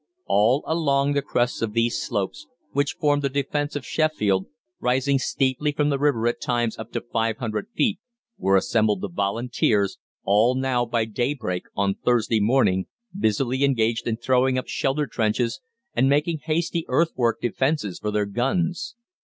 All along the crests of these slopes which formed the defence of Sheffield, rising steeply from the river at times up to five hundred feet, were assembled the Volunteers, all now by daybreak on Thursday morning busily engaged in throwing up shelter trenches and making hasty earthwork defences for the guns.